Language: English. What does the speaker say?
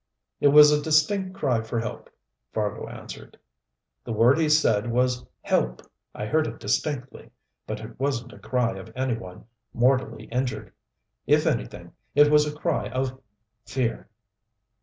"It was a distinct cry for help," Fargo answered. "The word he said was 'Help' I heard it distinctly. But it wasn't a cry of any one mortally injured. If anything, it was a cry of fear."